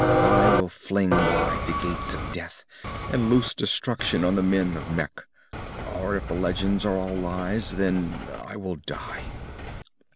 I will fling wide the Gates of Death and loose destruction on the men of Mekh or if the legends are all lies, then I will die."